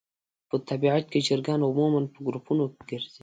په طبیعت کې چرګان عموماً په ګروپونو کې ګرځي.